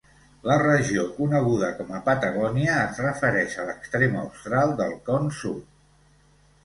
La regió coneguda com a Patagònia es refereix a l'extrem austral del Con Sud.